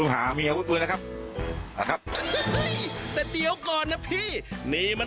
ห้า